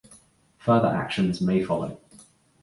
Further actions may follow.